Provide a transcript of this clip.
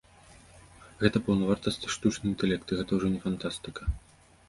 Гэта паўнавартасны штучны інтэлект, і гэта ўжо не фантастыка.